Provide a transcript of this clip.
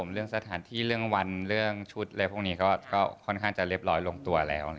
เรื่องสถานที่เรื่องวันเรื่องชุดอะไรพวกนี้ก็ค่อนข้างจะเรียบร้อยลงตัวแล้ว